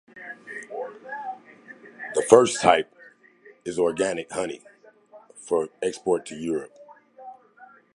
The first type is "organic honey" for export to Europe.